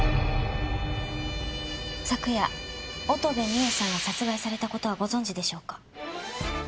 昨夜乙部美栄さんが殺害された事はご存じでしょうか？